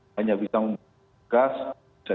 hanya bisa membuat tugas